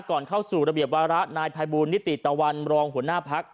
ก่อนเข้าสู่ระเบียบวาระนายภัยบูลนิติตะวันรองหัวหน้าพัก